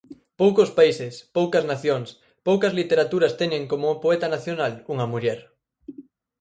Poucos países, poucas nacións, poucas literaturas teñen como poeta nacional unha muller.